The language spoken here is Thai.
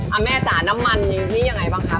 แม่จ๋าน้ำมันนี่ยังไงบ้างคะ